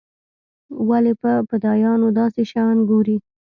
ولې په فدايانو داسې شيان ګوري.